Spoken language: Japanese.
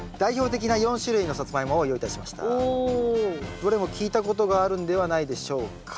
どれも聞いたことがあるんではないでしょうか。